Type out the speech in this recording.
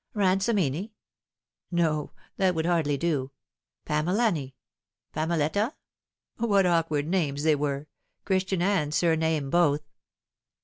Ransomini? No, that would hardly do. Pamelani Pameletta ? What awkward names they were Christian and surname both